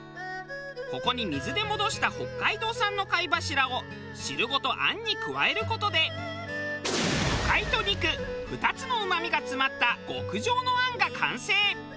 ここに水で戻した北海道産の貝柱を汁ごと餡に加える事で魚介と肉２つのうまみが詰まった極上の餡が完成！